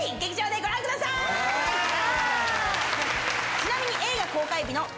ちなみに。